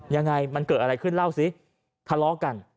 ยังไงมันเกิดอะไรขึ้นเล่าสิทะเลาะกัน